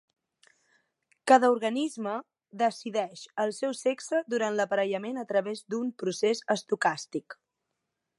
Cada organisme "decideix" el seu sexe durant l'aparellament a través d'un procés estocàstic.